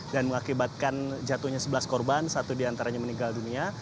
dan mengakibatkan jatuhnya sebelas korban satu diantaranya meninggal dunia